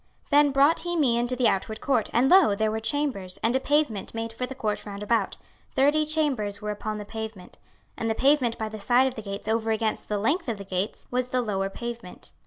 26:040:017 Then brought he me into the outward court, and, lo, there were chambers, and a pavement made for the court round about: thirty chambers were upon the pavement. 26:040:018 And the pavement by the side of the gates over against the length of the gates was the lower pavement.